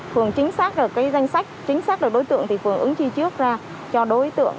phường chính xác được cái danh sách chính xác được đối tượng thì phường ứng chi trước ra cho đối tượng